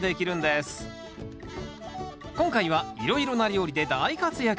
今回はいろいろな料理で大活躍